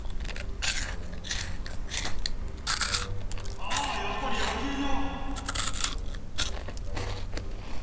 あやっぱり野球場！